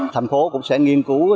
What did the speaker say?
thành phố cũng sẽ nghiên cứu